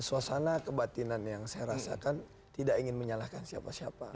suasana kebatinan yang saya rasakan tidak ingin menyalahkan siapa siapa